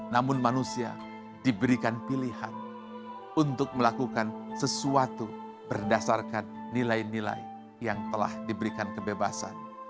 namun manusia diberikan pilihan untuk melakukan sesuatu berdasarkan nilai nilai yang telah diberikan kebebasan